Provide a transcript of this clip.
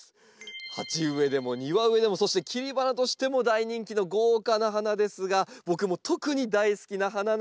鉢植えでも庭植えでもそして切り花としても大人気の豪華な花ですが僕も特に大好きな花なんです。